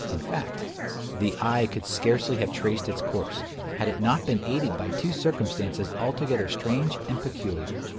In fact, the eye could scarcely have traced its course, had it not been aided by two circumstances altogether strange and peculiar.